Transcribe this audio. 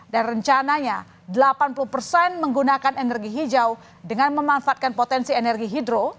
dan rencananya delapan puluh menggunakan energi hijau dengan memanfaatkan potensi energi hidro